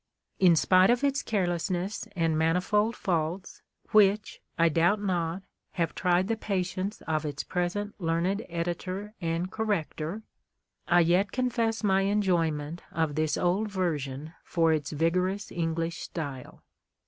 In spite of its carelessness and manifold faults, which, I doubt not, have tried the patience of its present learned editor and corrector, I yet confess my enjoyment of this old version for its vigorous English style.